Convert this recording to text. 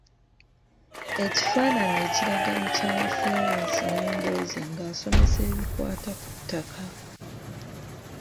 Ekifaananyi ekiraga mukyala Florence Nambooze nga asomesa ebikwata ku ttaka.